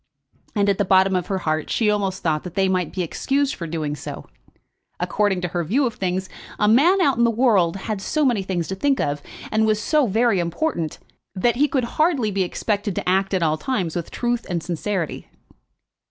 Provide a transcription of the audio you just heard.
And at the bottom of her heart she almost thought that they might be excused for doing so. According to her view of things, a man out in the world had so many things to think of, and was so very important, that he could hardly be expected to act at all times with truth and sincerity.